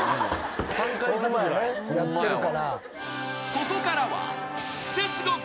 ［ここからは］